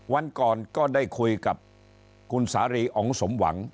วันก่อนก็ได้คุยกับคุณสารีอ๋องสมหวัง